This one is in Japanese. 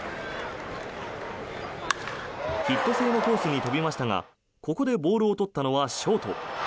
ヒット性のコースに飛びましたがここでボールをとったのはショート。